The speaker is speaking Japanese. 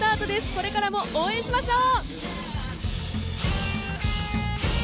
これからも応援しましょう！